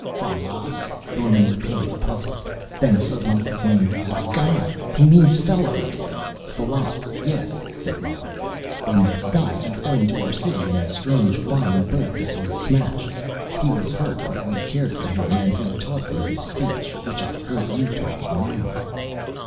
"Fallas " Norman repeated, puzzled; then suddenly he flamed. "By God, he means Fellows!" "Fallas, yes," said the other. "From the sky he fell into our city in a strange flying boat that was smashed. He was hurt but we cared for him, and he taught me his speech, which I heard you talking now."